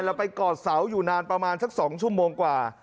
แล้วไปกอดเสาอยู่นานประมาณสัก๒ชั่วโมงกว่า